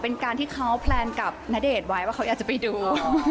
เป็นการที่เขาแพลนกับณเดชน์ไว้ว่าเขาอยากจะไปดู